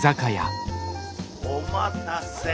お待たせ。